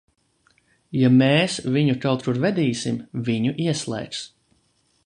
Ja mēs viņu kaut kur vedīsim, viņu ieslēgs!